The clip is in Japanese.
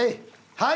はい！